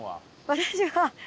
私は。